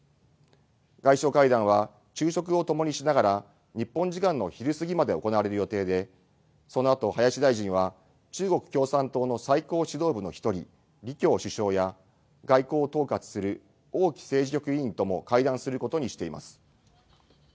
外相会談は昼食をともにしながら日本時間の昼過ぎまで行われる予定でそのあと林大臣は中国共産党の最高指導部の１人、李強首相や外交を統括する王毅政治局委員とも会談することにしています。